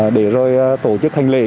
để rồi tổ chức hành lễ